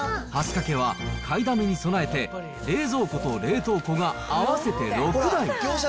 蓮香家は買いだめに備えて、冷蔵庫と冷凍庫が合わせて６台。